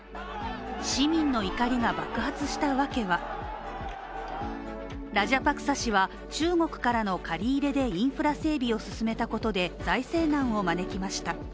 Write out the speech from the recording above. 市民の怒りが爆発したわけはラジャパクサ氏は、中国からの借り入れでインフラ整備を進めたことで財政難を招きました。